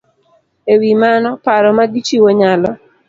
E wi mano, paro ma gichiwo nyalo